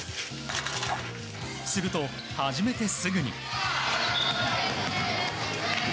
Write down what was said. すると、始めてすぐに。